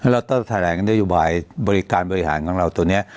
แล้วต้องแทรกในโยบายบริการบริหารของเราตัวเนี่ย